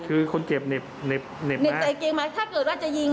คือคนเจ็บเหน็บเหน็บใส่เกงมาถ้าเกิดว่าจะยิง